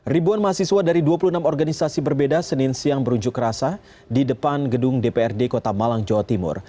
ribuan mahasiswa dari dua puluh enam organisasi berbeda senin siang berunjuk rasa di depan gedung dprd kota malang jawa timur